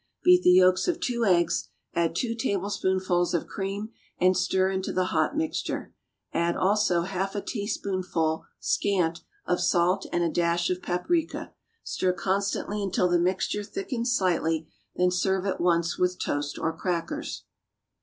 Beat the yolks of two eggs, add two tablespoonfuls of cream, and stir into the hot mixture; add, also, half a teaspoonful (scant) of salt and a dash of paprica. Stir constantly until the mixture thickens slightly, then serve at once with toast or crackers.